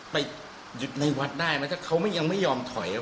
ไปหยุดในวัดได้ไหมถ้าเขายังไม่ยอมถอย